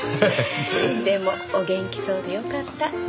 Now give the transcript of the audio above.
でもお元気そうでよかった。